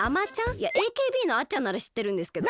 いやＡＫＢのあっちゃんならしってるんですけど。